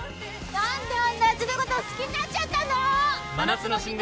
「何であんなやつのこと好きになっちゃったんだろ！」